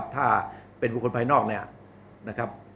ถ้าเป็นบุคคลภายนอกเนี่ย